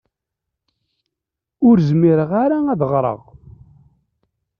Ur zmireɣ ara ad ɣṛeɣ.